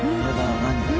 何？